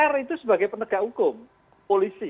r itu sebagai penegak hukum polisi